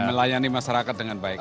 melayani masyarakat dengan baik